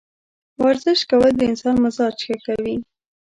ورزش کول د انسان مزاج ښه کوي.